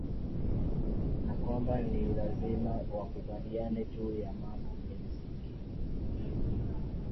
na kwamba ni lazima wakubaliane juu ya mambo ya msingi